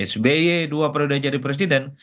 sby dua periode jadi presiden